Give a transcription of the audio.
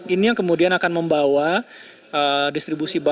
ini yang kemudian akan membawa distribusi bantuan